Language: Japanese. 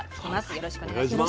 よろしくお願いします。